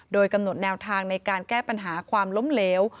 โดยกำหนดแนวทางในการแก้ปัญหาความล้มเหลว